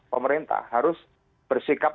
pemerintah harus bersikap